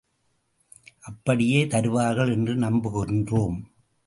அப்படியே தருவார்கள் என்று நம்புகின்றோம்.